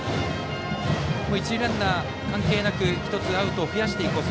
一塁ランナー関係なく１つアウトを増やしていこう。